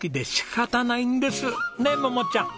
ねっ桃ちゃん。